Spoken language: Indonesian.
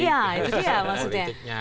ya itu dia maksudnya